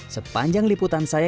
sepanjang liputan masakannya